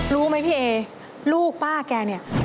รู้ไหมพี่เอลูกป้าแกเนี่ย